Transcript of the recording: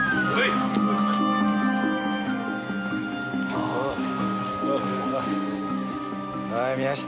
ああ宮下。